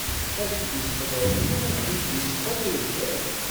Ad k-id-isxeḍ Ṛebbi akken d-isxeḍ ibkan!